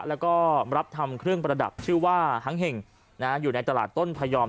แล้วก็รับทำเครื่องประดับชื่อว่าฮังเห่งอยู่ในตลาดต้นพยอม